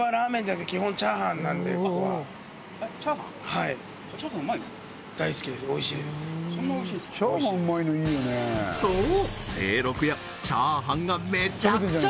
はいそう！